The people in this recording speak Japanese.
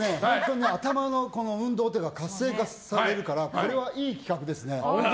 頭の運動というか活性化されるからこれはいい企画ですね。